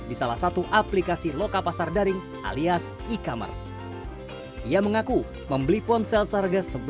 di salah satu aplikasi loka pasar daring alias e commerce ia mengaku membeli ponsel seharga